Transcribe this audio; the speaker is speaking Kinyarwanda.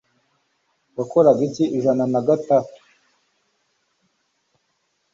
Wakoraga iki ijana na gatatu